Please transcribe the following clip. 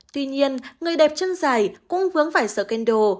tuy nhiên người đẹp chân dày cũng vướng vải incendio về tình cảm với trường giang